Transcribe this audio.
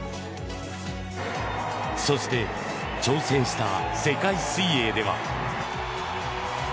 そして挑戦した世界水泳では。